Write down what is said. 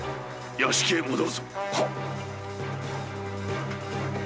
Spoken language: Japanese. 屋敷へ戻るぞ！